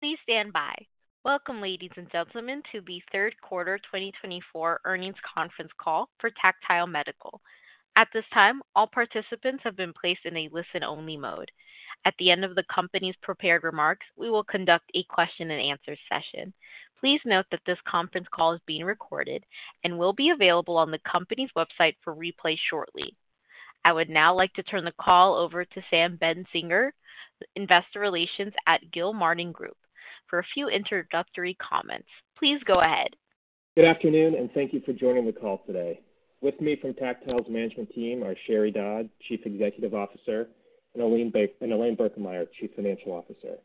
Please stand by. Welcome, ladies and gentlemen, to the Third Quarter 2024 Earnings Conference Call for Tactile Medical. At this time, all participants have been placed in a listen-only mode. At the end of the company's prepared remarks, we will conduct a question-and-answer session. Please note that this conference call is being recorded and will be available on the company's website for replay shortly. I would now like to turn the call over to Sam Bentzinger, Investor Relations at Gilmartin Group, for a few introductory comments. Please go ahead. Good afternoon, and thank you for joining the call today. With me from Tactile's management team are Sheri Dodd, Chief Executive Officer, and Elaine Birkemeyer, Chief Financial Officer.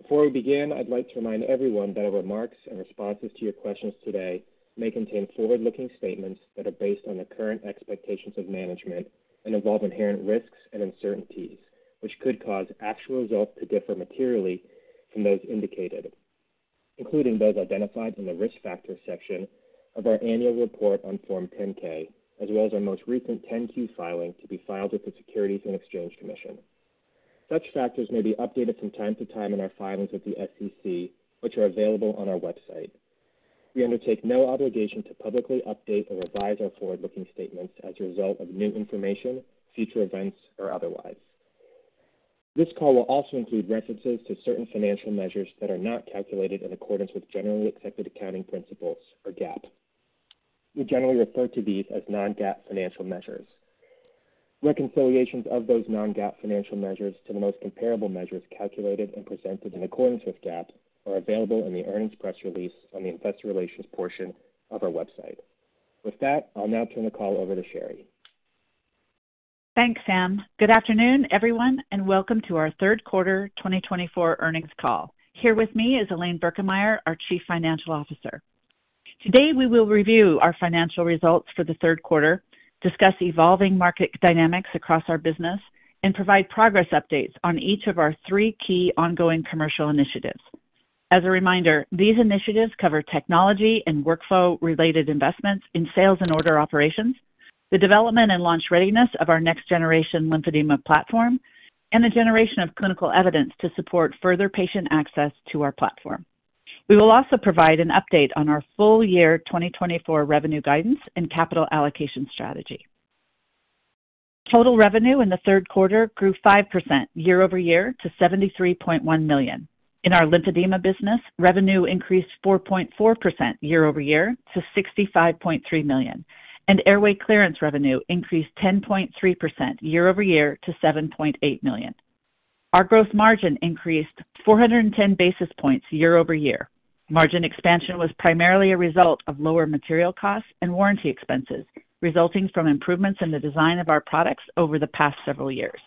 Before we begin, I'd like to remind everyone that our remarks and responses to your questions today may contain forward-looking statements that are based on the current expectations of management and involve inherent risks and uncertainties, which could cause actual results to differ materially from those indicated, including those identified in the risk factor section of our annual report on Form 10-K, as well as our most recent 10-Q filing to be filed with the Securities and Exchange Commission. Such factors may be updated from time to time in our filings with the SEC, which are available on our website. We undertake no obligation to publicly update or revise our forward-looking statements as a result of new information, future events, or otherwise. This call will also include references to certain financial measures that are not calculated in accordance with generally accepted accounting principles, or GAAP. We generally refer to these as non-GAAP financial measures. Reconciliations of those non-GAAP financial measures to the most comparable measures calculated and presented in accordance with GAAP are available in the earnings press release on the Investor Relations portion of our website. With that, I'll now turn the call over to Sheri. Thanks, Sam. Good afternoon, everyone, and welcome to our Third Quarter 2024 Earnings Call. Here with me is Elaine Birkemeyer, our Chief Financial Officer. Today, we will review our financial results for the third quarter, discuss evolving market dynamics across our business, and provide progress updates on each of our three key ongoing commercial initiatives. As a reminder, these initiatives cover technology and workflow-related investments in sales and order operations, the development and launch readiness of our next-generation lymphedema platform, and the generation of clinical evidence to support further patient access to our platform. We will also provide an update on our full-year 2024 revenue guidance and capital allocation strategy. Total revenue in the third quarter grew 5% year-over-year to $73.1 million. In our lymphedema business, revenue increased 4.4% year-over-year to $65.3 million, and airway clearance revenue increased 10.3% year-over-year to $7.8 million. Our gross margin increased 410 basis points year-over-year. Margin expansion was primarily a result of lower material costs and warranty expenses resulting from improvements in the design of our products over the past several years.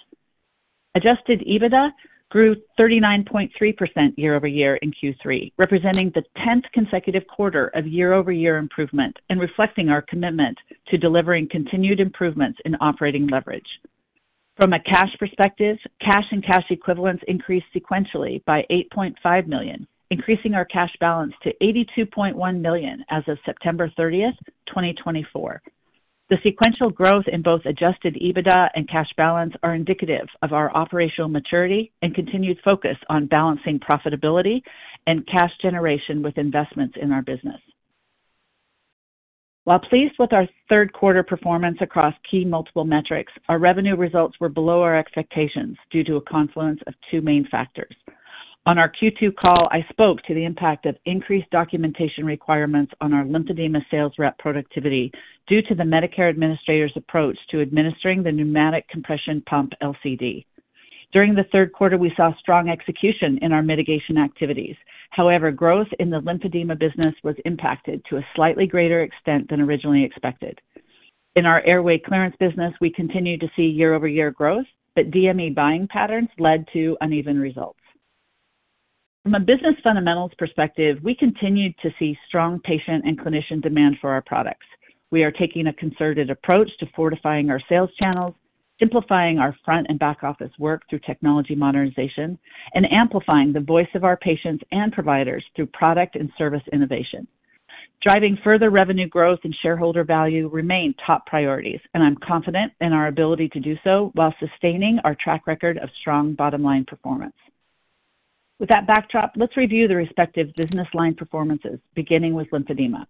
Adjusted EBITDA grew 39.3% year-over-year in Q3, representing the 10th consecutive quarter of year-over-year improvement and reflecting our commitment to delivering continued improvements in operating leverage. From a cash perspective, cash and cash equivalents increased sequentially by $8.5 million, increasing our cash balance to $82.1 million as of September 30, 2024. The sequential growth in both adjusted EBITDA and cash balance is indicative of our operational maturity and continued focus on balancing profitability and cash generation with investments in our business. While pleased with our third-quarter performance across key multiple metrics, our revenue results were below our expectations due to a confluence of two main factors. On our Q2 call, I spoke to the impact of increased documentation requirements on our lymphedema sales rep productivity due to the Medicare administrator's approach to administering the pneumatic compression pump LCD. During the third quarter, we saw strong execution in our mitigation activities. However, growth in the lymphedema business was impacted to a slightly greater extent than originally expected. In our airway clearance business, we continue to see year-over-year growth, but DME buying patterns led to uneven results. From a business fundamentals perspective, we continued to see strong patient and clinician demand for our products. We are taking a concerted approach to fortifying our sales channels, simplifying our front and back office work through technology modernization, and amplifying the voice of our patients and providers through product and service innovation. Driving further revenue growth and shareholder value remain top priorities, and I'm confident in our ability to do so while sustaining our track record of strong bottom-line performance. With that backdrop, let's review the respective business line performances, beginning with lymphedema.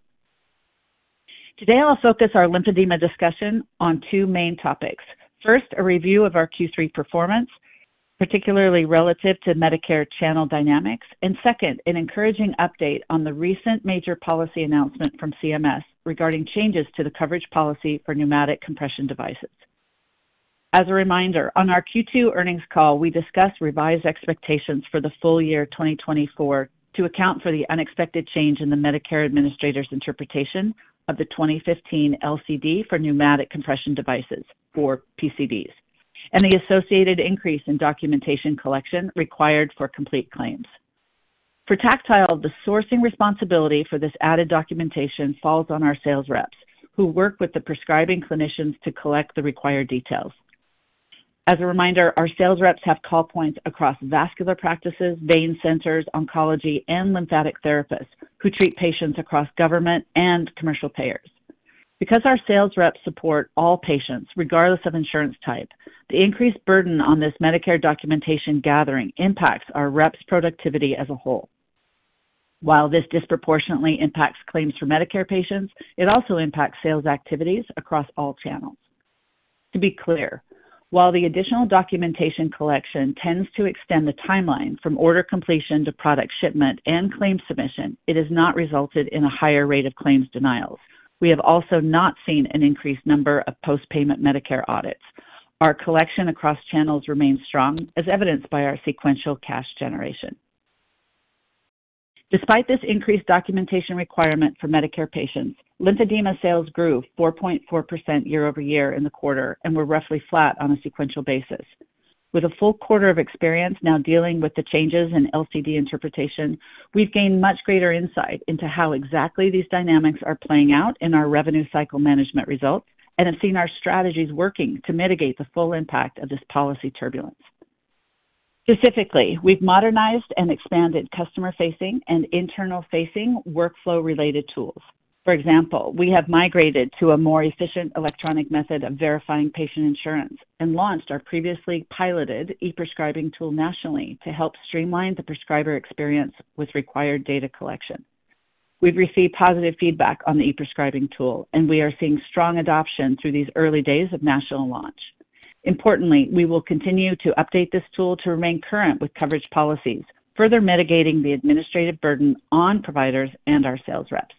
Today, I'll focus our lymphedema discussion on two main topics: first, a review of our Q3 performance, particularly relative to Medicare channel dynamics, and second, an encouraging update on the recent major policy announcement from CMS regarding changes to the coverage policy for pneumatic compression devices. As a reminder, on our Q2 earnings call, we discussed revised expectations for the full year 2024 to account for the unexpected change in the Medicare administrator's interpretation of the 2015 LCD for pneumatic compression devices, or PCDs, and the associated increase in documentation collection required for complete claims. For Tactile, the sourcing responsibility for this added documentation falls on our sales reps, who work with the prescribing clinicians to collect the required details. As a reminder, our sales reps have call points across vascular practices, vein centers, oncology, and lymphatic therapists who treat patients across government and commercial payers. Because our sales reps support all patients, regardless of insurance type, the increased burden on this Medicare documentation gathering impacts our reps' productivity as a whole. While this disproportionately impacts claims for Medicare patients, it also impacts sales activities across all channels. To be clear, while the additional documentation collection tends to extend the timeline from order completion to product shipment and claim submission, it has not resulted in a higher rate of claims denials. We have also not seen an increased number of post-payment Medicare audits. Our collection across channels remains strong, as evidenced by our sequential cash generation. Despite this increased documentation requirement for Medicare patients, lymphedema sales grew 4.4% year-over-year in the quarter and were roughly flat on a sequential basis. With a full quarter of experience now dealing with the changes in LCD interpretation, we've gained much greater insight into how exactly these dynamics are playing out in our revenue cycle management results and have seen our strategies working to mitigate the full impact of this policy turbulence. Specifically, we've modernized and expanded customer-facing and internal-facing workflow-related tools. For example, we have migrated to a more efficient electronic method of verifying patient insurance and launched our previously piloted e-prescribing tool nationally to help streamline the prescriber experience with required data collection. We've received positive feedback on the e-prescribing tool, and we are seeing strong adoption through these early days of national launch. Importantly, we will continue to update this tool to remain current with coverage policies, further mitigating the administrative burden on providers and our sales reps.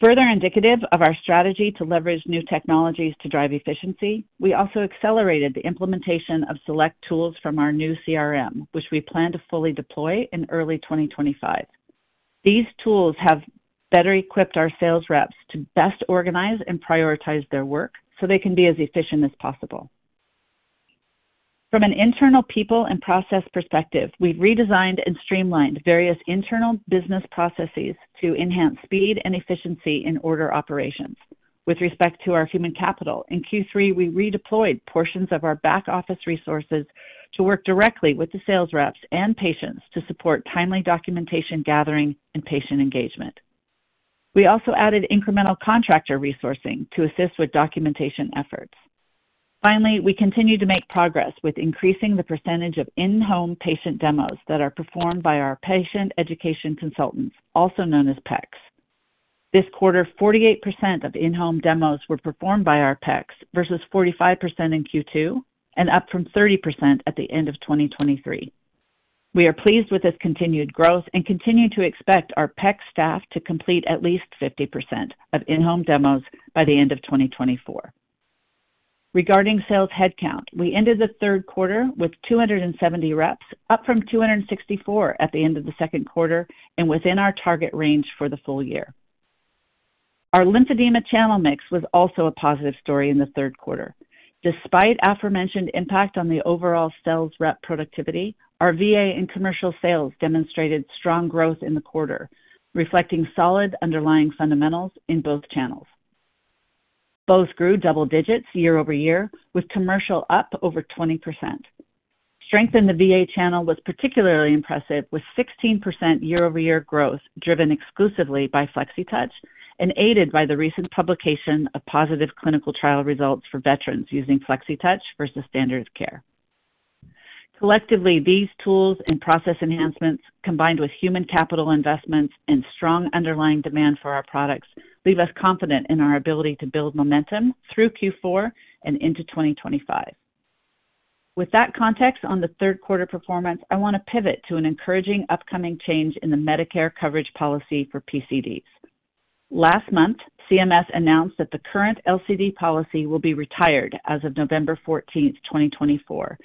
Further indicative of our strategy to leverage new technologies to drive efficiency, we also accelerated the implementation of select tools from our new CRM, which we plan to fully deploy in early 2025. These tools have better equipped our sales reps to best organize and prioritize their work so they can be as efficient as possible. From an internal people and process perspective, we've redesigned and streamlined various internal business processes to enhance speed and efficiency in order operations. With respect to our human capital, in Q3, we redeployed portions of our back office resources to work directly with the sales reps and patients to support timely documentation gathering and patient engagement. We also added incremental contractor resourcing to assist with documentation efforts. Finally, we continue to make progress with increasing the percentage of in-home patient demos that are performed by our patient education consultants, also known as PECs. This quarter, 48% of in-home demos were performed by our PECs versus 45% in Q2 and up from 30% at the end of 2023. We are pleased with this continued growth and continue to expect our PEC staff to complete at least 50% of in-home demos by the end of 2024. Regarding sales headcount, we ended the third quarter with 270 reps, up from 264 at the end of the second quarter and within our target range for the full year. Our lymphedema channel mix was also a positive story in the third quarter. Despite aforementioned impact on the overall sales rep productivity, our VA and commercial sales demonstrated strong growth in the quarter, reflecting solid underlying fundamentals in both channels. Both grew double digits year-over-year, with commercial up over 20%. Strength in the VA channel was particularly impressive, with 16% year-over-year growth driven exclusively by Flexitouch and aided by the recent publication of positive clinical trial results for veterans using Flexitouch versus standard of care. Collectively, these tools and process enhancements, combined with human capital investments and strong underlying demand for our products, leave us confident in our ability to build momentum through Q4 and into 2025. With that context on the third quarter performance, I want to pivot to an encouraging upcoming change in the Medicare coverage policy for PCDs. Last month, CMS announced that the current LCD policy will be retired as of November 14, 2024,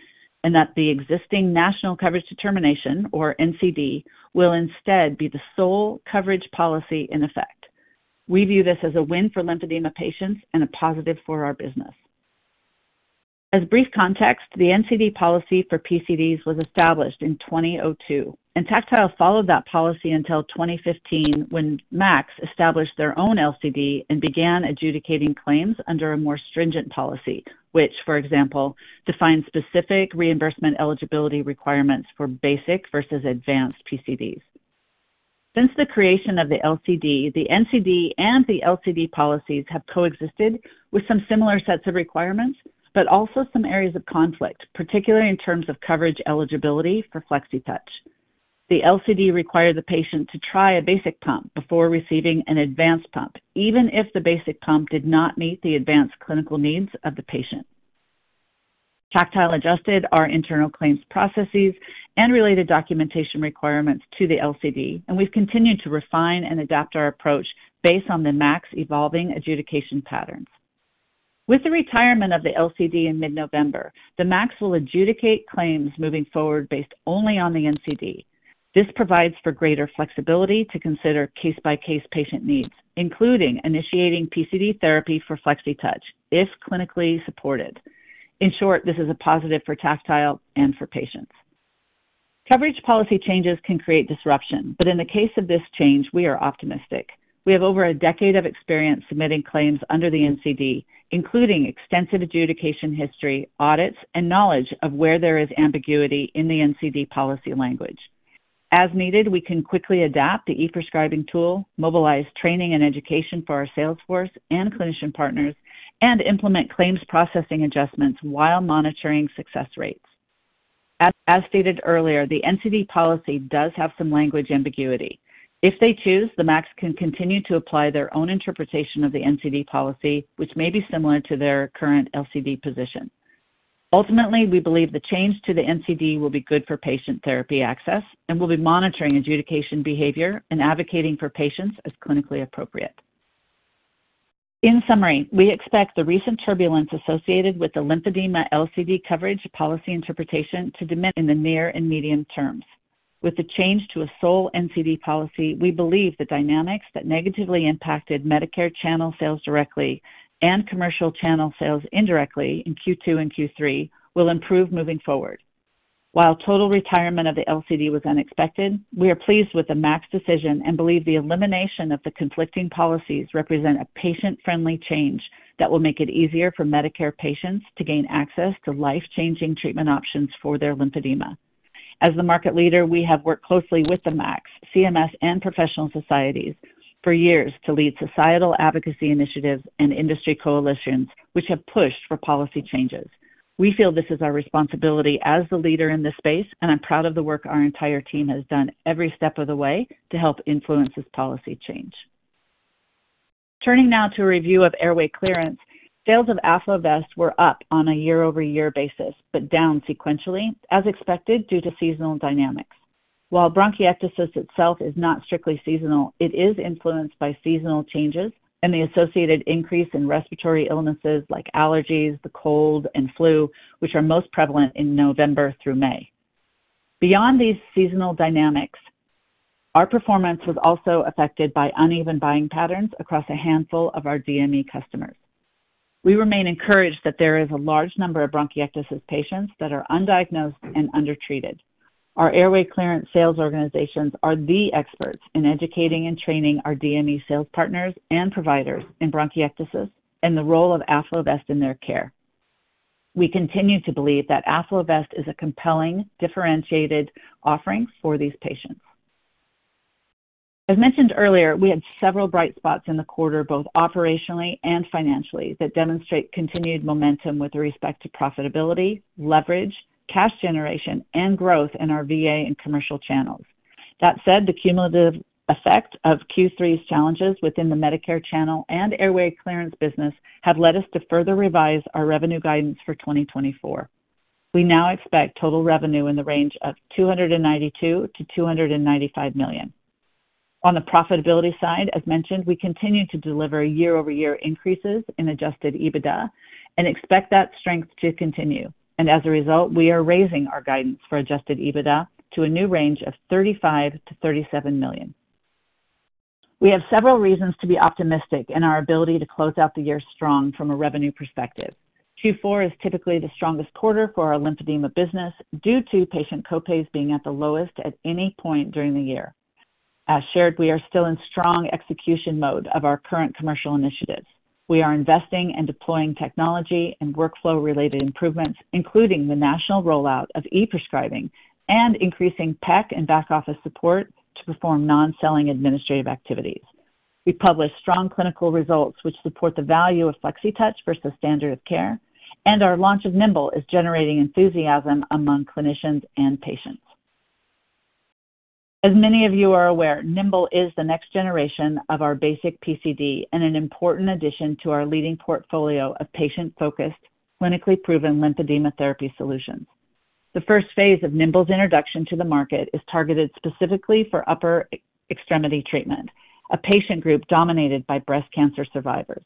and that the existing National Coverage Determination, or NCD, will instead be the sole coverage policy in effect. We view this as a win for lymphedema patients and a positive for our business. As brief context, the NCD policy for PCDs was established in 2002, and Tactile followed that policy until 2015 when MACs established their own LCD and began adjudicating claims under a more stringent policy, which, for example, defined specific reimbursement eligibility requirements for basic versus advanced PCDs. Since the creation of the LCD, the NCD and the LCD policies have coexisted with some similar sets of requirements, but also some areas of conflict, particularly in terms of coverage eligibility for Flexitouch. The LCD required the patient to try a basic pump before receiving an advanced pump, even if the basic pump did not meet the advanced clinical needs of the patient. Tactile adjusted our internal claims processes and related documentation requirements to the LCD, and we've continued to refine and adapt our approach based on the MACs evolving adjudication patterns. With the retirement of the LCD in mid-November, the MACs will adjudicate claims moving forward based only on the NCD. This provides for greater flexibility to consider case-by-case patient needs, including initiating PCD therapy for Flexitouch if clinically supported. In short, this is a positive for Tactile and for patients. Coverage policy changes can create disruption, but in the case of this change, we are optimistic. We have over a decade of experience submitting claims under the NCD, including extensive adjudication history, audits, and knowledge of where there is ambiguity in the NCD policy language. As needed, we can quickly adapt the e-prescribing tool, mobilize training and education for our salesforce and clinician partners, and implement claims processing adjustments while monitoring success rates. As stated earlier, the NCD policy does have some language ambiguity. If they choose, the MACs can continue to apply their own interpretation of the NCD policy, which may be similar to their current LCD position. Ultimately, we believe the change to the NCD will be good for patient therapy access and will be monitoring adjudication behavior and advocating for patients as clinically appropriate. In summary, we expect the recent turbulence associated with the lymphedema LCD coverage policy interpretation to diminish in the near and medium terms. With the change to a sole NCD policy, we believe the dynamics that negatively impacted Medicare channel sales directly and commercial channel sales indirectly in Q2 and Q3 will improve moving forward. While total retirement of the LCD was unexpected, we are pleased with the MACs decision and believe the elimination of the conflicting policies represents a patient-friendly change that will make it easier for Medicare patients to gain access to life-changing treatment options for their lymphedema. As the market leader, we have worked closely with the MACs, CMS, and professional societies for years to lead societal advocacy initiatives and industry coalitions, which have pushed for policy changes. We feel this is our responsibility as the leader in this space, and I'm proud of the work our entire team has done every step of the way to help influence this policy change. Turning now to a review of airway clearance, sales of AffloVest were up on a year-over-year basis, but down sequentially, as expected due to seasonal dynamics. While bronchiectasis itself is not strictly seasonal, it is influenced by seasonal changes and the associated increase in respiratory illnesses like allergies, the cold, and flu, which are most prevalent in November through May. Beyond these seasonal dynamics, our performance was also affected by uneven buying patterns across a handful of our DME customers. We remain encouraged that there is a large number of bronchiectasis patients that are undiagnosed and undertreated. Our airway clearance sales organizations are the experts in educating and training our DME sales partners and providers in bronchiectasis and the role of AffloVest in their care. We continue to believe that AffloVest is a compelling, differentiated offering for these patients. As mentioned earlier, we had several bright spots in the quarter, both operationally and financially, that demonstrate continued momentum with respect to profitability, leverage, cash generation, and growth in our VA and commercial channels. That said, the cumulative effect of Q3's challenges within the Medicare channel and airway clearance business have led us to further revise our revenue guidance for 2024. We now expect total revenue in the range of $292 million-$295 million. On the profitability side, as mentioned, we continue to deliver year-over-year increases in Adjusted EBITDA and expect that strength to continue, and as a result, we are raising our guidance for Adjusted EBITDA to a new range of $35 million-$37 million. We have several reasons to be optimistic in our ability to close out the year strong from a revenue perspective. Q4 is typically the strongest quarter for our lymphedema business due to patient copays being at the lowest at any point during the year. As shared, we are still in strong execution mode of our current commercial initiatives. We are investing and deploying technology and workflow-related improvements, including the national rollout of e-prescribing and increasing PEC and back office support to perform non-selling administrative activities. We published strong clinical results which support the value of Flexitouch versus standard of care, and our launch of Nimble is generating enthusiasm among clinicians and patients. As many of you are aware, Nimble is the next generation of our basic PCD and an important addition to our leading portfolio of patient-focused, clinically proven lymphedema therapy solutions. The first phase of Nimble's introduction to the market is targeted specifically for upper extremity treatment, a patient group dominated by breast cancer survivors.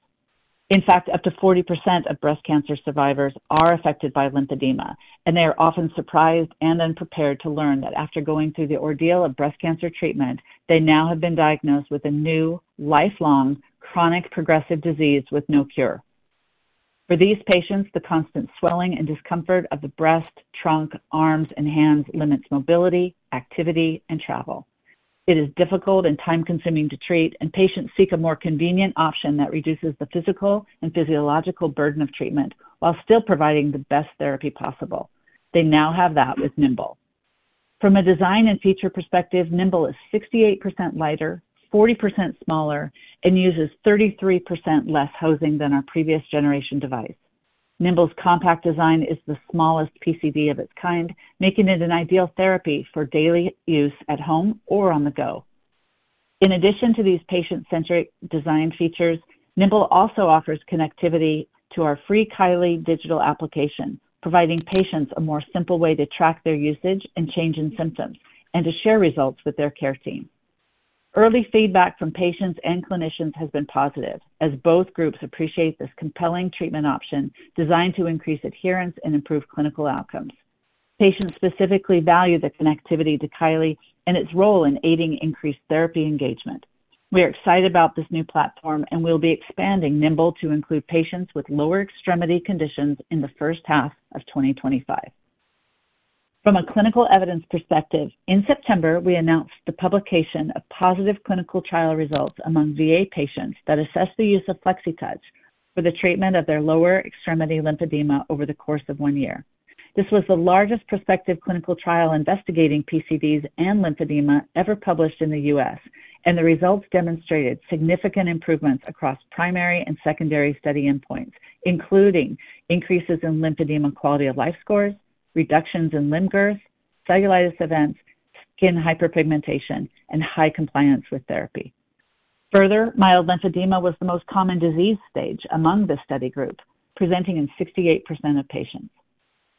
In fact, up to 40% of breast cancer survivors are affected by lymphedema, and they are often surprised and unprepared to learn that after going through the ordeal of breast cancer treatment, they now have been diagnosed with a new lifelong chronic progressive disease with no cure. For these patients, the constant swelling and discomfort of the breast, trunk, arms, and hands limits mobility, activity, and travel. It is difficult and time-consuming to treat, and patients seek a more convenient option that reduces the physical and physiological burden of treatment while still providing the best therapy possible. They now have that with Nimble. From a design and feature perspective, Nimble is 68% lighter, 40% smaller, and uses 33% less hosing than our previous generation device. Nimble's compact design is the smallest PCD of its kind, making it an ideal therapy for daily use at home or on the go. In addition to these patient-centric design features, Nimble also offers connectivity to our free Kylee digital application, providing patients a more simple way to track their usage and change in symptoms and to share results with their care team. Early feedback from patients and clinicians has been positive, as both groups appreciate this compelling treatment option designed to increase adherence and improve clinical outcomes. Patients specifically value the connectivity to Kylee and its role in aiding increased therapy engagement. We are excited about this new platform, and we'll be expanding Nimble to include patients with lower extremity conditions in the first half of 2025. From a clinical evidence perspective, in September, we announced the publication of positive clinical trial results among VA patients that assessed the use of Flexitouch for the treatment of their lower extremity lymphedema over the course of one year. This was the largest prospective clinical trial investigating PCDs and lymphedema ever published in the U.S., and the results demonstrated significant improvements across primary and secondary study endpoints, including increases in lymphedema quality of life scores, reductions in limb girth, cellulitis events, skin hyperpigmentation, and high compliance with therapy. Further, mild lymphedema was the most common disease stage among the study group, presenting in 68% of patients.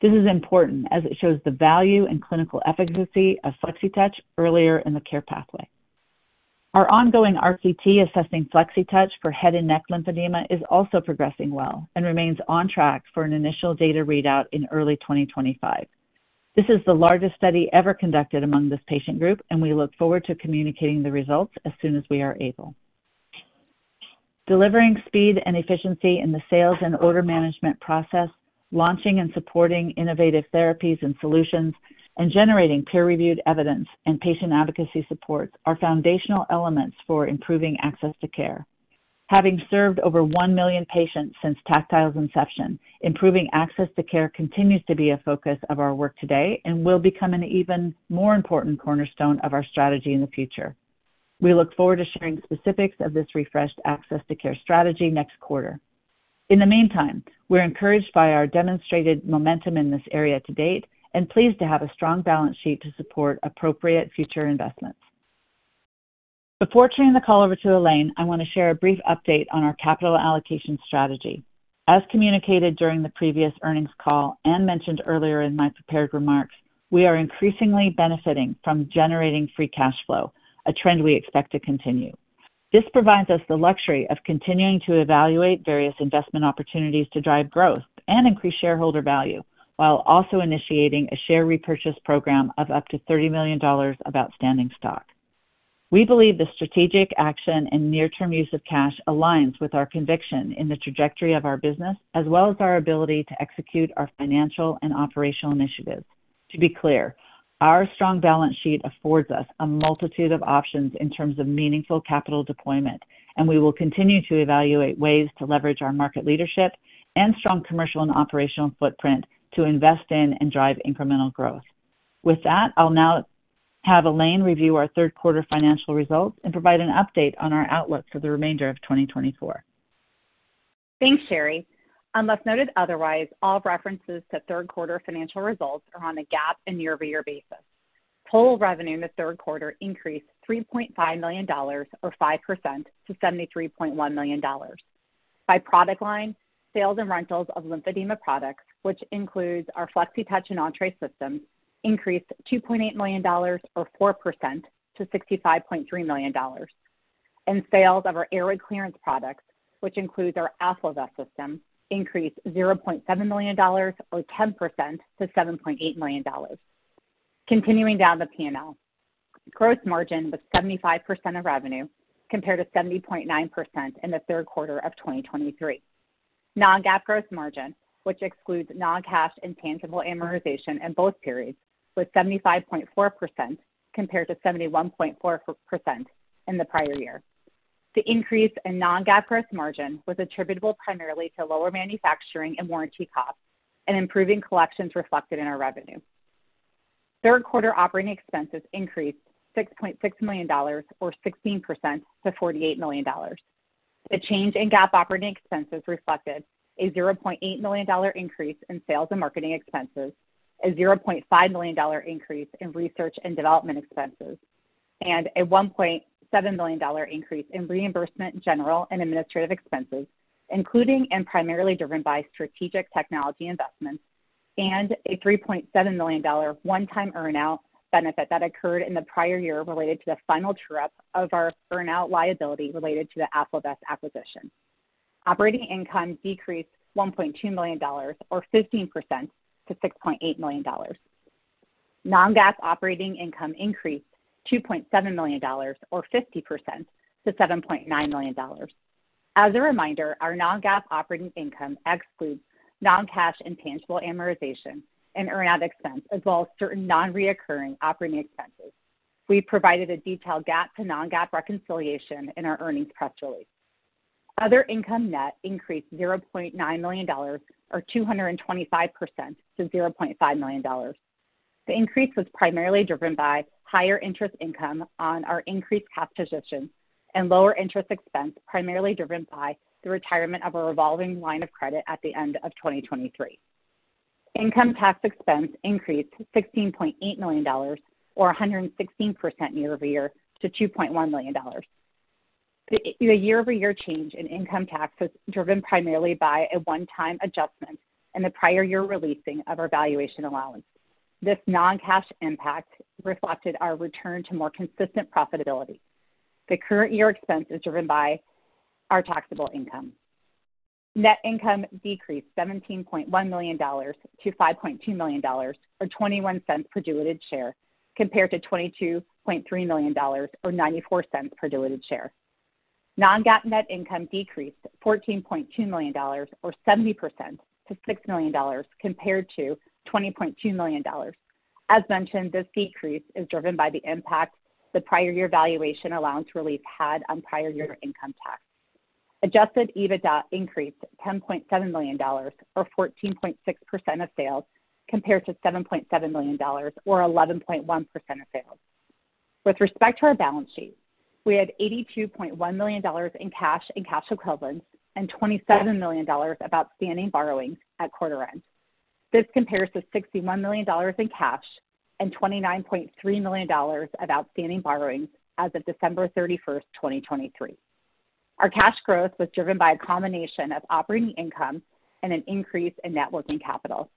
This is important as it shows the value and clinical efficacy of Flexitouch earlier in the care pathway. Our ongoing RCT assessing Flexitouch for head and neck lymphedema is also progressing well and remains on track for an initial data readout in early 2025. This is the largest study ever conducted among this patient group, and we look forward to communicating the results as soon as we are able. Delivering speed and efficiency in the sales and order management process, launching and supporting innovative therapies and solutions, and generating peer-reviewed evidence and patient advocacy supports are foundational elements for improving access to care. Having served over one million patients since Tactile's inception, improving access to care continues to be a focus of our work today and will become an even more important cornerstone of our strategy in the future. We look forward to sharing specifics of this refreshed access to care strategy next quarter. In the meantime, we're encouraged by our demonstrated momentum in this area to date and pleased to have a strong balance sheet to support appropriate future investments. Before turning the call over to Elaine, I want to share a brief update on our capital allocation strategy. As communicated during the previous earnings call and mentioned earlier in my prepared remarks, we are increasingly benefiting from generating free cash flow, a trend we expect to continue. This provides us the luxury of continuing to evaluate various investment opportunities to drive growth and increase shareholder value, while also initiating a share repurchase program of up to $30 million of outstanding stock. We believe the strategic action and near-term use of cash aligns with our conviction in the trajectory of our business, as well as our ability to execute our financial and operational initiatives. To be clear, our strong balance sheet affords us a multitude of options in terms of meaningful capital deployment, and we will continue to evaluate ways to leverage our market leadership and strong commercial and operational footprint to invest in and drive incremental growth. With that, I'll now have Elaine review our third quarter financial results and provide an update on our outlook for the remainder of 2024. Thanks, Sheri. Unless noted otherwise, all references to third quarter financial results are on a GAAP and year-over-year basis. Total revenue in the third quarter increased $3.5 million, or 5%, to $73.1 million. By product line, sales and rentals of lymphedema products, which includes our Flexitouch and Entre systems, increased $2.8 million, or 4%, to $65.3 million. And sales of our airway clearance products, which includes our AffloVest system, increased $0.7 million, or 10%, to $7.8 million. Continuing down the P&L, gross margin was 75% of revenue compared to 70.9% in the third quarter of 2023. Non-GAAP gross margin, which excludes non-cash and intangible amortization in both periods, was 75.4% compared to 71.4% in the prior year. The increase in non-GAAP gross margin was attributable primarily to lower manufacturing and warranty costs and improving collections reflected in our revenue. Third quarter operating expenses increased $6.6 million, or 16%, to $48 million. The change in GAAP operating expenses reflected a $0.8 million increase in sales and marketing expenses, a $0.5 million increase in research and development expenses, and a $1.7 million increase in reimbursement general and administrative expenses, including and primarily driven by strategic technology investments, and a $3.7 million one-time earnout benefit that occurred in the prior year related to the final true-up of our earnout liability related to the AffloVest acquisition. Operating income decreased $1.2 million, or 15%, to $6.8 million. Non-GAAP operating income increased $2.7 million, or 50%, to $7.9 million. As a reminder, our non-GAAP operating income excludes non-cash and intangible amortization and earnout expense, as well as certain non-recurring operating expenses. We provided a detailed GAAP to non-GAAP reconciliation in our earnings press release. Other income, net increased $0.9 million, or 225%, to $0.5 million. The increase was primarily driven by higher interest income on our increased cash position and lower interest expense primarily driven by the retirement of a revolving line of credit at the end of 2023. Income tax expense increased $16.8 million, or 116% year-over-year, to $2.1 million. The year-over-year change in income tax was driven primarily by a one-time adjustment in the prior year release of our valuation allowance. This non-cash impact reflected our return to more consistent profitability. The current year expense is driven by our taxable income. Net income decreased $17.1 million to $5.2 million, or $0.21 per diluted share, compared to $22.3 million, or $0.94 per diluted share. Non-GAAP net income decreased $14.2 million, or 70%, to $6 million compared to $20.2 million. As mentioned, this decrease is driven by the impact the prior year valuation allowance release had on prior year income tax. Adjusted EBITDA increased $10.7 million, or 14.6% of sales, compared to $7.7 million, or 11.1% of sales. With respect to our balance sheet, we had $82.1 million in cash and cash equivalents and $27 million of outstanding borrowings at quarter end. This compares to $61 million in cash and $29.3 million of outstanding borrowings as of December 31st, 2023. Our cash growth was driven by a combination of operating income and an increase in net working capital.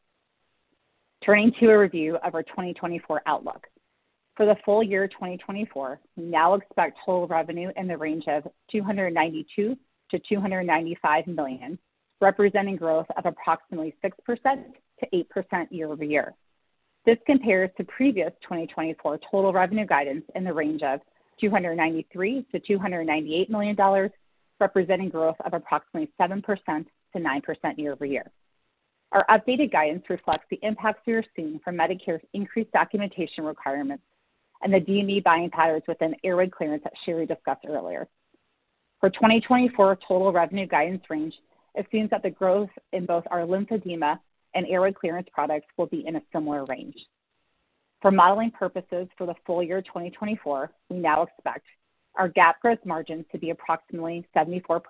Turning to a review of our 2024 outlook. For the full year 2024, we now expect total revenue in the range of $292-$295 million, representing growth of approximately 6%-8% year-over-year. This compares to previous 2024 total revenue guidance in the range of $293-$298 million, representing growth of approximately 7%-9% year-over-year. Our updated guidance reflects the impacts we are seeing from Medicare's increased documentation requirements and the DME buying patterns within airway clearance that Sheri discussed earlier. For 2024 total revenue guidance range, it seems that the growth in both our lymphedema and airway clearance products will be in a similar range. For modeling purposes for the full year 2024, we now expect our GAAP gross margins to be approximately 74%,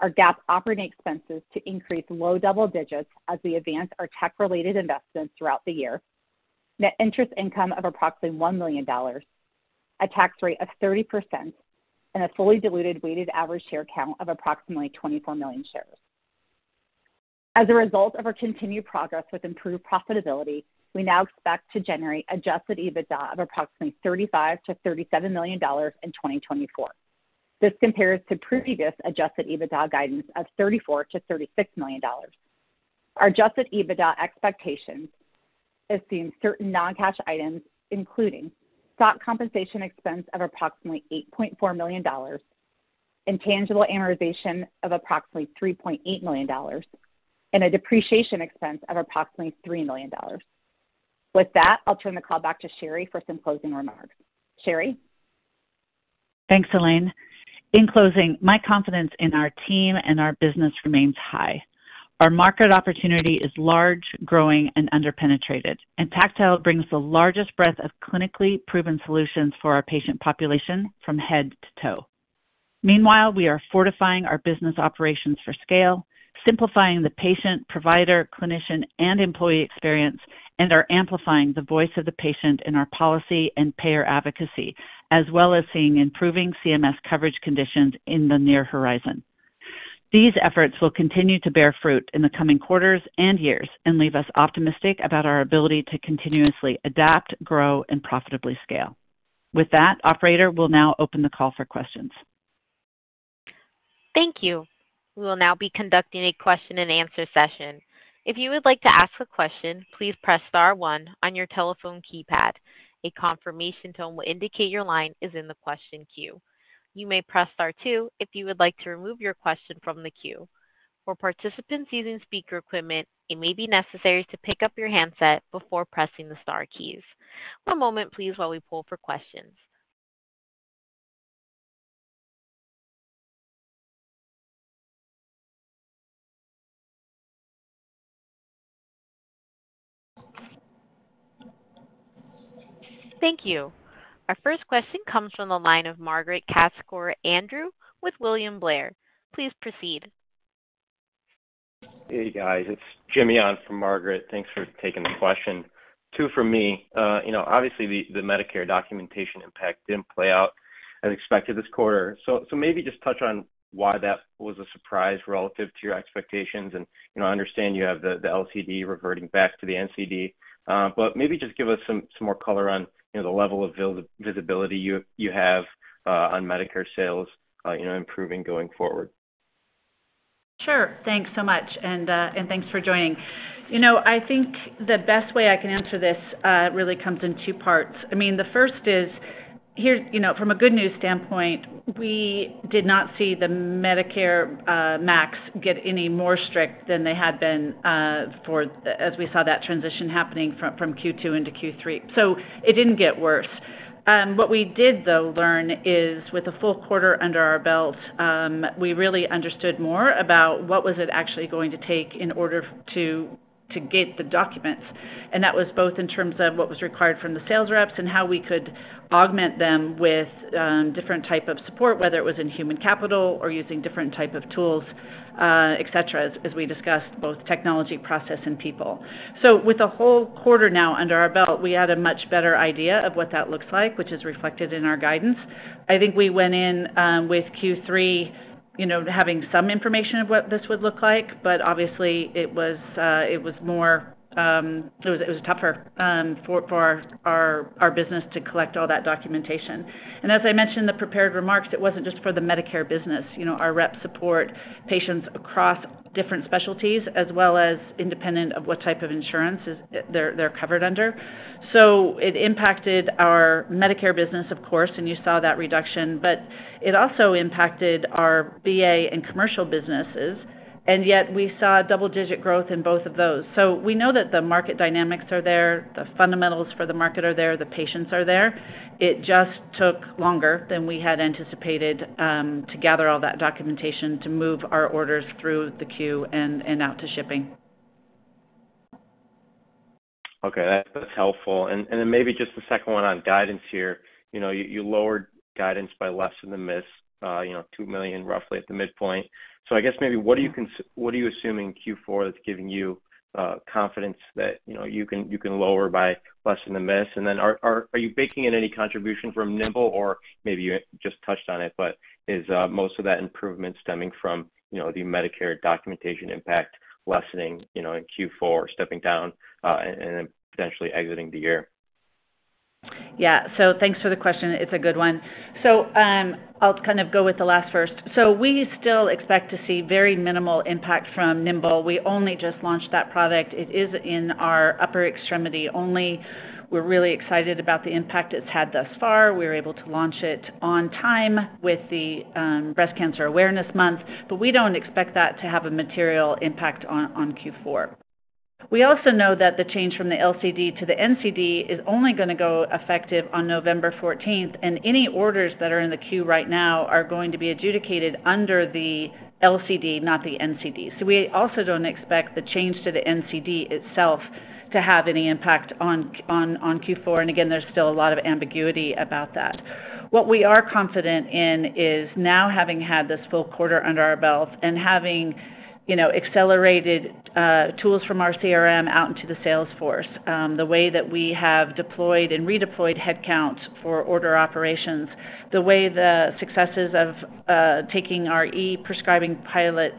our GAAP operating expenses to increase low double digits as we advance our tech-related investments throughout the year, net interest income of approximately $1 million, a tax rate of 30%, and a fully diluted weighted average share count of approximately 24 million shares. As a result of our continued progress with improved profitability, we now expect to generate Adjusted EBITDA of approximately $35-$37 million in 2024. This compares to previous Adjusted EBITDA guidance of $34-$36 million. Our Adjusted EBITDA expectations assume certain non-cash items, including stock compensation expense of approximately $8.4 million, intangible amortization of approximately $3.8 million, and a depreciation expense of approximately $3 million. With that, I'll turn the call back to Sheri for some closing remarks. Sheri? Thanks, Elaine. In closing, my confidence in our team and our business remains high. Our market opportunity is large, growing, and underpenetrated, and Tactile brings the largest breadth of clinically proven solutions for our patient population from head to toe. Meanwhile, we are fortifying our business operations for scale, simplifying the patient, provider, clinician, and employee experience, and are amplifying the voice of the patient in our policy and payer advocacy, as well as seeing improving CMS coverage conditions in the near horizon. These efforts will continue to bear fruit in the coming quarters and years and leave us optimistic about our ability to continuously adapt, grow, and profitably scale. With that, Operator, we'll now open the call for questions. Thank you. We will now be conducting a question-and-answer session. If you would like to ask a question, please press star one on your telephone keypad. A confirmation tone will indicate your line is in the question queue. You may press star two if you would like to remove your question from the queue. For participants using speaker equipment, it may be necessary to pick up your handset before pressing the star keys. One moment, please, while we pull for questions. Thank you. Our first question comes from the line of Margaret Kaczor Andrew with William Blair. Please proceed. Hey, guys. It's Jimmy on from Margaret. Thanks for taking the question. Two for me. You know, obviously, the Medicare documentation impact didn't play out as expected this quarter. So maybe just touch on why that was a surprise relative to your expectations. And I understand you have the LCD reverting back to the NCD, but maybe just give us some more color on the level of visibility you have on Medicare sales improving going forward. Sure. Thanks so much. And thanks for joining. You know, I think the best way I can answer this really comes in two parts. I mean, the first is, from a good news standpoint, we did not see the Medicare MAC get any more strict than they had been as we saw that transition happening from Q2 into Q3. So it didn't get worse. What we did, though, learn is with a full quarter under our belt, we really understood more about what was it actually going to take in order to get the documents. And that was both in terms of what was required from the sales reps and how we could augment them with different types of support, whether it was in human capital or using different types of tools, et cetera, as we discussed, both technology, process, and people. So with a whole quarter now under our belt, we had a much better idea of what that looks like, which is reflected in our guidance. I think we went in with Q3 having some information of what this would look like, but obviously, it was more. It was tougher for our business to collect all that documentation, and as I mentioned in the prepared remarks, it wasn't just for the Medicare business. Our reps support patients across different specialties, as well as independent of what type of insurance they're covered under, so it impacted our Medicare business, of course, and you saw that reduction, but it also impacted our VA and commercial businesses, and yet we saw double-digit growth in both of those, so we know that the market dynamics are there, the fundamentals for the market are there, the patients are there. It just took longer than we had anticipated to gather all that documentation to move our orders through the queue and out to shipping. Okay. That's helpful. And then maybe just a second one on guidance here. You lowered guidance by less than the miss, $2 million, roughly, at the midpoint. So I guess maybe what are you assuming Q4 that's giving you confidence that you can lower by less than the miss? And then are you baking in any contribution from Nimble, or maybe you just touched on it, but is most of that improvement stemming from the Medicare documentation impact lessening in Q4, stepping down and then potentially exiting the year? Yeah. So thanks for the question. It's a good one. So I'll kind of go with the last first. So we still expect to see very minimal impact from Nimble. We only just launched that product. It is in our upper extremity only. We're really excited about the impact it's had thus far. We were able to launch it on time with the Breast Cancer Awareness Month, but we don't expect that to have a material impact on Q4. We also know that the change from the LCD to the NCD is only going to go effective on November 14th, and any orders that are in the queue right now are going to be adjudicated under the LCD, not the NCD, so we also don't expect the change to the NCD itself to have any impact on Q4, and again, there's still a lot of ambiguity about that. What we are confident in is now having had this full quarter under our belt and having accelerated tools from our CRM out into the Salesforce, the way that we have deployed and redeployed headcounts for order operations, the way the successes of taking our e-prescribing pilot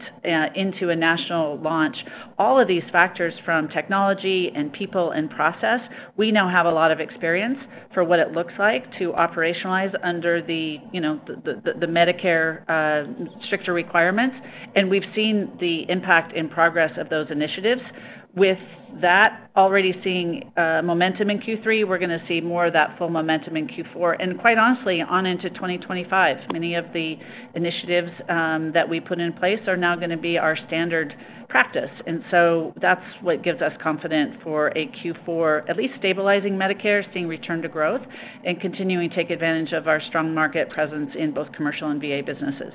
into a national launch, all of these factors from technology and people and process, we now have a lot of experience for what it looks like to operationalize under the Medicare stricter requirements. And we've seen the impact in progress of those initiatives. With that, already seeing momentum in Q3, we're going to see more of that full momentum in Q4. And quite honestly, on into 2025, many of the initiatives that we put in place are now going to be our standard practice. And so that's what gives us confidence for a Q4, at least stabilizing Medicare, seeing return to growth, and continuing to take advantage of our strong market presence in both commercial and VA businesses.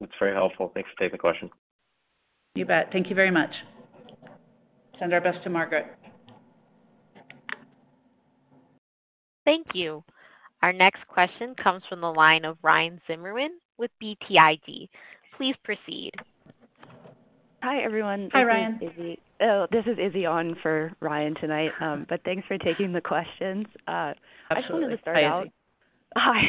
That's very helpful. Thanks for taking the question. You bet. Thank you very much. Send our best to Margaret. Thank you. Our next question comes from the line of Ryan Zimmerman with BTIG. Please proceed. Hi, everyone. Hi, Ryan. This is Izzy on for Ryan tonight, but thanks for taking the questions. I just wanted to start out. Hi.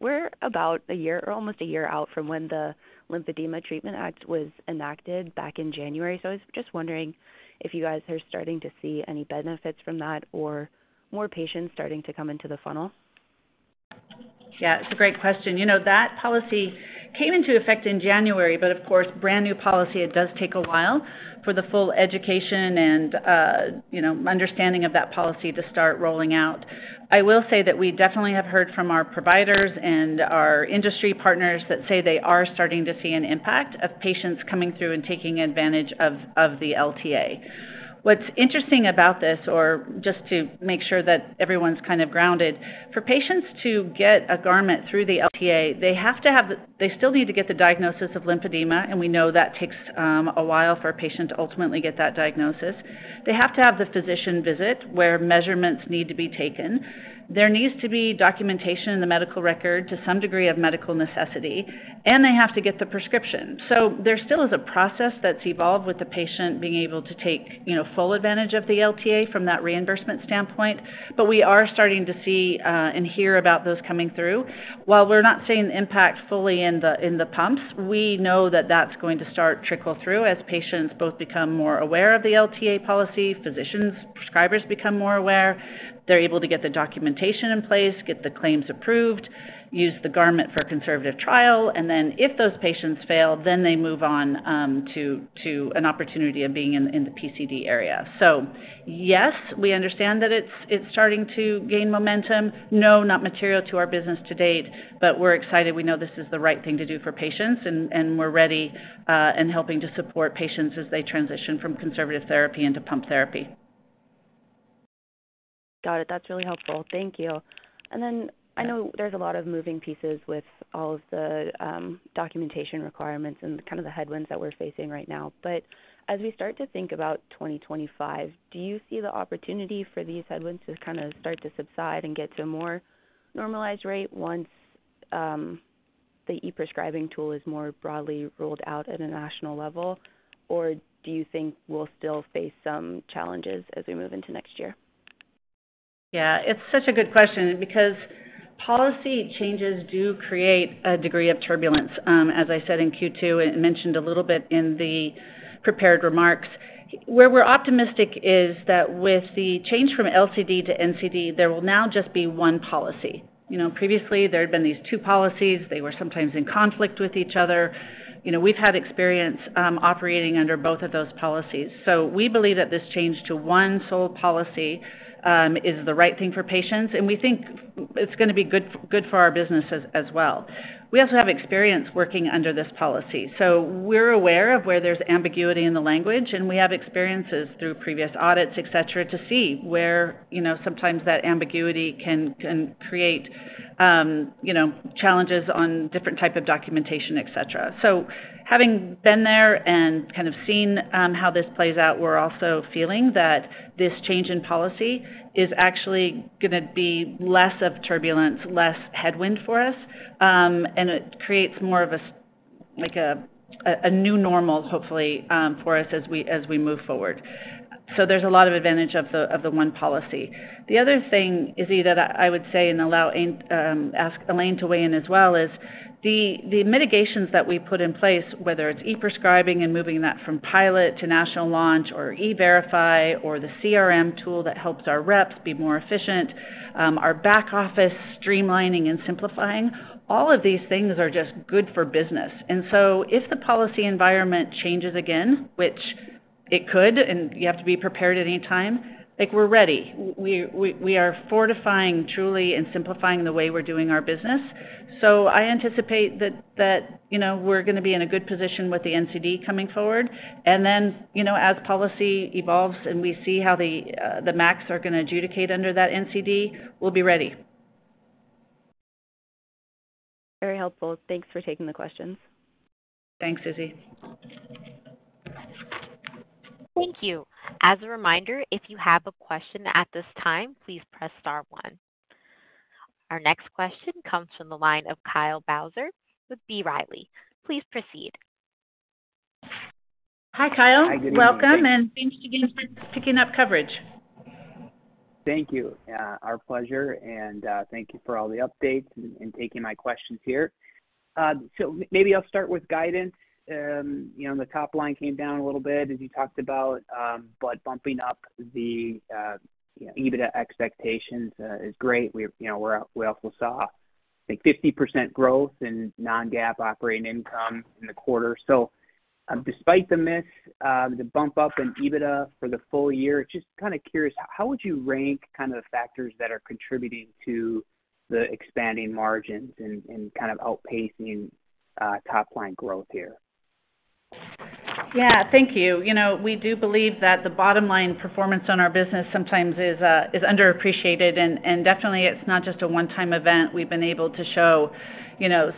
We're about a year or almost a year out from when the Lymphedema Treatment Act was enacted back in January. So I was just wondering if you guys are starting to see any benefits from that or more patients starting to come into the funnel? Yeah. It's a great question. You know, that policy came into effect in January, but of course, brand new policy, it does take a while for the full education and understanding of that policy to start rolling out. I will say that we definitely have heard from our providers and our industry partners that say they are starting to see an impact of patients coming through and taking advantage of the LTA. What's interesting about this, or just to make sure that everyone's kind of grounded, for patients to get a garment through the LTA, they still need to get the diagnosis of lymphedema, and we know that takes a while for a patient to ultimately get that diagnosis. They have to have the physician visit where measurements need to be taken. There needs to be documentation in the medical record to some degree of medical necessity, and they have to get the prescription. So there still is a process that's evolved with the patient being able to take full advantage of the LTA from that reimbursement standpoint, but we are starting to see and hear about those coming through. While we're not seeing the impact fully in the pumps, we know that that's going to start to trickle through as patients both become more aware of the LTA policy, physicians, prescribers become more aware, they're able to get the documentation in place, get the claims approved, use the garment for a conservative trial, and then if those patients fail, then they move on to an opportunity of being in the PCD area. So yes, we understand that it's starting to gain momentum. No, not material to our business to date, but we're excited. We know this is the right thing to do for patients, and we're ready and helping to support patients as they transition from conservative therapy into pump therapy. Got it. That's really helpful. Thank you. And then I know there's a lot of moving pieces with all of the documentation requirements and kind of the headwinds that we're facing right now. But as we start to think about 2025, do you see the opportunity for these headwinds to kind of start to subside and get to a more normalized rate once the e-prescribing tool is more broadly rolled out at a national level, or do you think we'll still face some challenges as we move into next year? Yeah. It's such a good question because policy changes do create a degree of turbulence. As I said in Q2, and mentioned a little bit in the prepared remarks, where we're optimistic is that with the change from LCD to NCD, there will now just be one policy. Previously, there had been these two policies. They were sometimes in conflict with each other. We've had experience operating under both of those policies. So we believe that this change to one sole policy is the right thing for patients, and we think it's going to be good for our business as well. We also have experience working under this policy. So we're aware of where there's ambiguity in the language, and we have experiences through previous audits, et cetera, to see where sometimes that ambiguity can create challenges on different types of documentation, et cetera. So having been there and kind of seen how this plays out, we're also feeling that this change in policy is actually going to be less of turbulence, less headwind for us, and it creates more of a new normal, hopefully, for us as we move forward. So there's a lot of advantage of the one policy. The other thing, Izzy, that I would say and ask Elaine to weigh in as well is the mitigations that we put in place, whether it's E-prescribing and moving that from pilot to national launch or e-Verify or the CRM tool that helps our reps be more efficient, our back office streamlining and simplifying, all of these things are just good for business. And so if the policy environment changes again, which it could, and you have to be prepared at any time, we're ready. We are fortifying truly and simplifying the way we're doing our business. So I anticipate that we're going to be in a good position with the NCD coming forward. And then as policy evolves and we see how the MACs are going to adjudicate under that NCD, we'll be ready. Very helpful. Thanks for taking the questions. Thanks, Izzy. Thank you. As a reminder, if you have a question at this time, please press star one. Our next question comes from the line of Kyle Bauser with B. Riley. Please proceed. Hi, Kyle. Hi, Jimmy. Welcome, and thanks again for picking up coverage. Thank you. Our pleasure, and thank you for all the updates and taking my questions here. So maybe I'll start with guidance. The top line came down a little bit as you talked about, but bumping up the EBITDA expectations is great. We also saw, I think, 50% growth in non-GAAP operating income in the quarter. So despite the miss, the bump up in EBITDA for the full year, just kind of curious, how would you rank kind of the factors that are contributing to the expanding margins and kind of outpacing top-line growth here? Yeah. Thank you. We do believe that the bottom-line performance on our business sometimes is underappreciated, and definitely, it's not just a one-time event. We've been able to show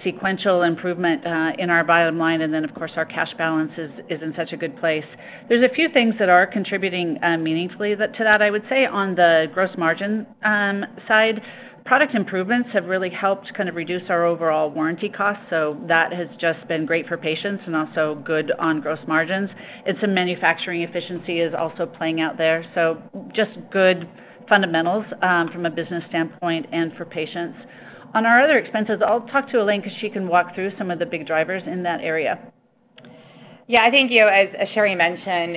sequential improvement in our bottom line, and then, of course, our cash balance is in such a good place. There's a few things that are contributing meaningfully to that, I would say, on the gross margin side. Product improvements have really helped kind of reduce our overall warranty costs. So that has just been great for patients and also good on gross margins. And some manufacturing efficiency is also playing out there. So just good fundamentals from a business standpoint and for patients. On our other expenses, I'll talk to Elaine because she can walk through some of the big drivers in that area. Yeah. I think, as Sheri mentioned,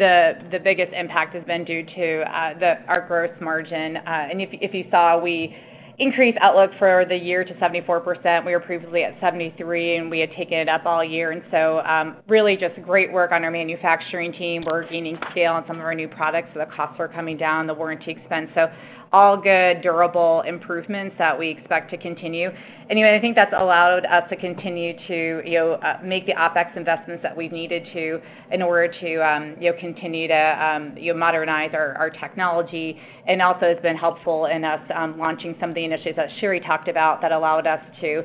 the biggest impact has been due to our gross margin. And if you saw, we increased outlook for the year to 74%. We were previously at 73%, and we had taken it up all year. And so really just great work on our manufacturing team. We're gaining scale on some of our new products, so the costs were coming down, the warranty expense. So all good, durable improvements that we expect to continue. Anyway, I think that's allowed us to continue to make the OpEx investments that we've needed to in order to continue to modernize our technology. And also it's been helpful in us launching some of the initiatives that Sheri talked about that allowed us to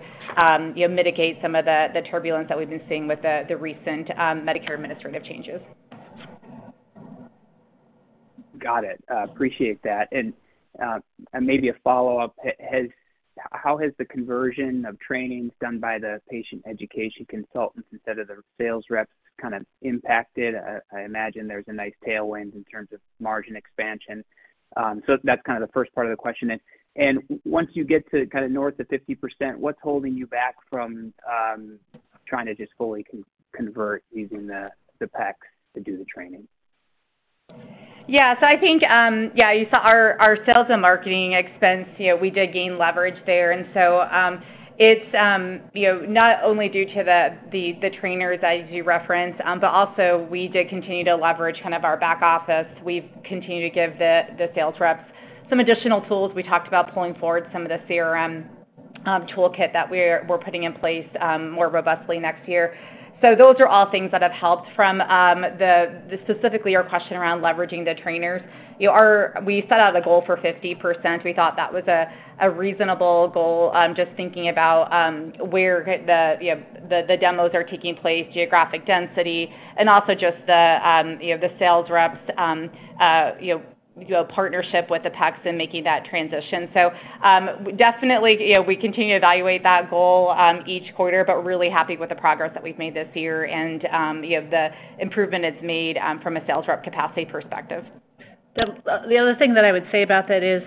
mitigate some of the turbulence that we've been seeing with the recent Medicare administrative changes. Got it. Appreciate that. And maybe a follow-up, how has the conversion of trainings done by the patient education consultants instead of the sales reps kind of impacted? I imagine there's a nice tailwind in terms of margin expansion. So that's kind of the first part of the question. And once you get to kind of north of 50%, what's holding you back from trying to just fully convert using the PECs to do the training? Yeah. So I think, yeah, our sales and marketing expense, we did gain leverage there. And so it's not only due to the trainers, as you referenced, but also we did continue to leverage kind of our back office. We've continued to give the sales reps some additional tools. We talked about pulling forward some of the CRM toolkit that we're putting in place more robustly next year. So those are all things that have helped from specifically our question around leveraging the trainers. We set out a goal for 50%. We thought that was a reasonable goal, just thinking about where the demos are taking place, geographic density, and also just the sales reps' partnership with the PECs and making that transition. So definitely, we continue to evaluate that goal each quarter, but we're really happy with the progress that we've made this year and the improvement it's made from a sales rep capacity perspective. The other thing that I would say about that is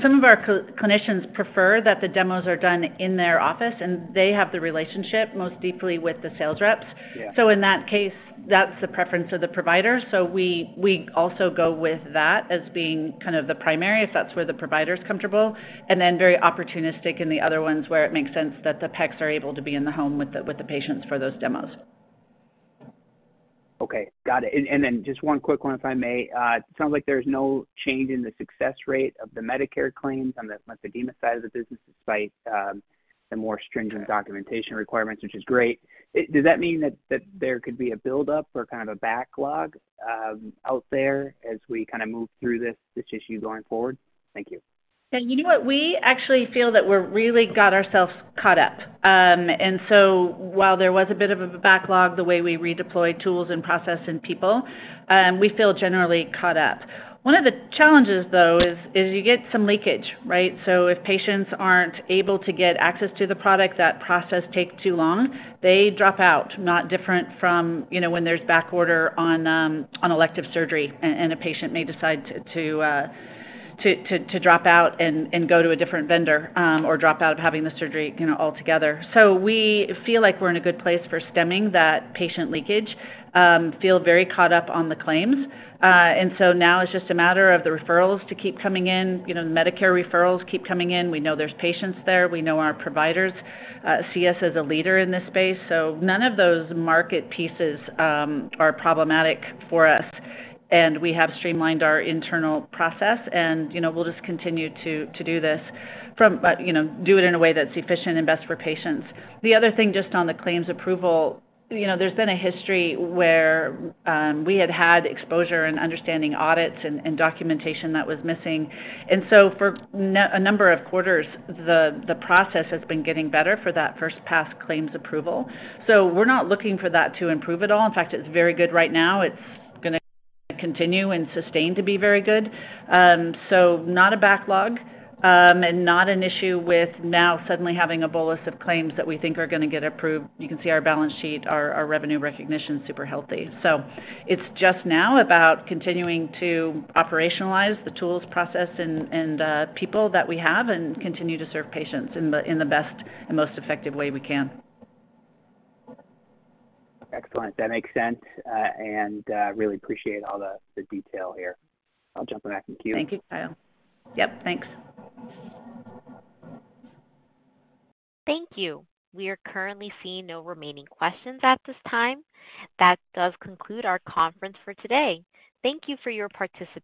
some of our clinicians prefer that the demos are done in their office, and they have the relationship most deeply with the sales reps. So in that case, that's the preference of the provider. So we also go with that as being kind of the primary if that's where the provider is comfortable, and then very opportunistic in the other ones where it makes sense that the PECs are able to be in the home with the patients for those demos. Okay. Got it. And then just one quick one, if I may. It sounds like there's no change in the success rate of the Medicare claims on the lymphedema side of the business despite the more stringent documentation requirements, which is great. Does that mean that there could be a buildup or kind of a backlog out there as we kind of move through this issue going forward? Thank you. Yeah. You know what? We actually feel that we really got ourselves caught up. And so while there was a bit of a backlog, the way we redeployed tools and process and people, we feel generally caught up. One of the challenges, though, is you get some leakage, right? So if patients aren't able to get access to the product, that process takes too long, they drop out, not different from when there's backorder on elective surgery, and a patient may decide to drop out and go to a different vendor or drop out of having the surgery altogether. So we feel like we're in a good place for stemming that patient leakage, feel very caught up on the claims. And so now it's just a matter of the referrals to keep coming in. Medicare referrals keep coming in. We know there's patients there. We know our providers see us as a leader in this space. So none of those market pieces are problematic for us, and we have streamlined our internal process, and we'll just continue to do this, do it in a way that's efficient and best for patients. The other thing just on the claims approval, there's been a history where we had had exposure and understanding audits and documentation that was missing. And so for a number of quarters, the process has been getting better for that first-pass claims approval. So we're not looking for that to improve at all. In fact, it's very good right now. It's going to continue and sustain to be very good. So, not a backlog and not an issue with now suddenly having a bolus of claims that we think are going to get approved. You can see our balance sheet. Our revenue recognition is super healthy. So, it's just now about continuing to operationalize the tools, process, and people that we have and continue to serve patients in the best and most effective way we can. Excellent. That makes sense. And really appreciate all the detail here. I'll jump back in queue. Thank you, Kyle. Yep. Thanks. Thank you. We are currently seeing no remaining questions at this time. That does conclude our conference for today. Thank you for your participation.